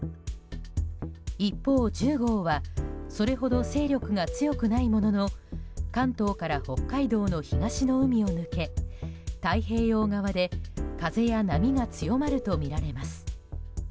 一方、１０号はそれほど勢力が強くないものの関東から北海道の東の海を抜け太平洋側で風や波が強まるとみられます。